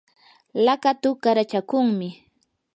laqatu qarachakunmi.